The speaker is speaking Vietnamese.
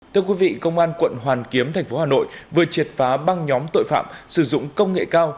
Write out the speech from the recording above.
thưa quý vị công an quận hoàn kiếm thành phố hà nội vừa triệt phá băng nhóm tội phạm sử dụng công nghệ cao